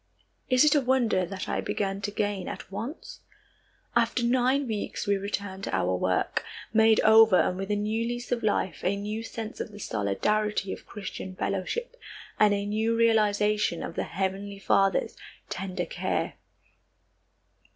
Is it a wonder that I began to gain at once? After nine weeks we returned to our work, made over and with a new lease of life, a new sense of the solidarity of Christian fellowship, and a new realization of the heavenly Father's tender care.